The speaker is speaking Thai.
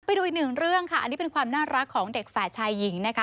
ไปดูอีกหนึ่งเรื่องค่ะอันนี้เป็นความน่ารักของเด็กแฝดชายหญิงนะคะ